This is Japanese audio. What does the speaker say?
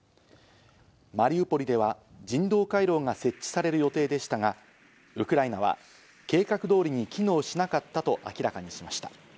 マリウポリでは人道回廊が設置される予定でしたが、ウクライナは計画通りに機能しなかったと明らかにしました。